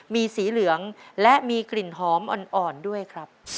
มีสีเหลืองและมีกลิ่นหอมอ่อนด้วยครับ